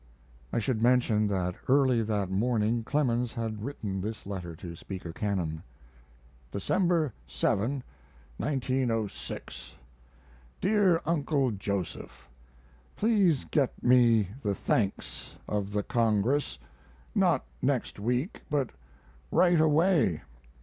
I should mention that early that morning Clemens had written this letter to Speaker Cannon: December 7, 1906. DEAR UNCLE JOSEPH, Please get me the thanks of the Congress not next week, but right away.